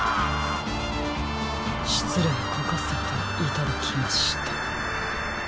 しつれいこかせていただきました。